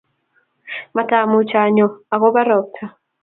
matamuuch anyoo agoba ropta